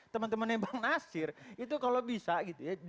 teman temannya bang nasir itu kalau bisa gitu ya